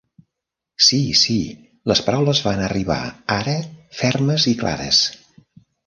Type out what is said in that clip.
"Sí, sí", les paraules van arribar ara fermes i clares.